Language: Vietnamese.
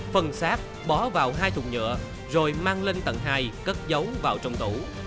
phần xác bỏ vào hai thùng nhựa rồi mang lên tầng hai cất giấu vào trong tủ